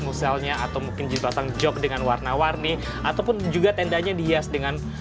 muselnya atau mungkin jembatan jog dengan warna warni ataupun juga tendanya dihias dengan